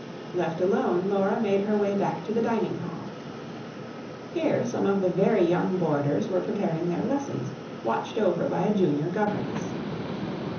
Left alone, Laura made her way back to the dining hall. Here some of the very young boarders were preparing their lessons, watched over by a junior governess.